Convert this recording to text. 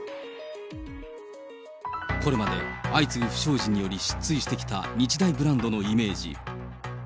これまで相次ぐ不祥事により、失墜してきた日大ブランドのイメージ。